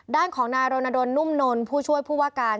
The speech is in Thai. ด้านของนายรณดลนุ่มนนท์ผู้ช่วยผู้ว่าการ